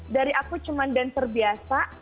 dari aku cuma dancer biasa